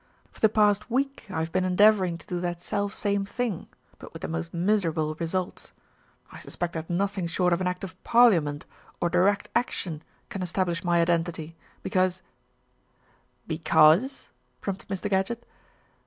"For the past week I have been endeavouring to do that self same thing; but with the most miserable results. I suspect that nothing short of an Act of Parliament or Direct Action can establish my identity, because " "Because," prompted Mr. Gadgett.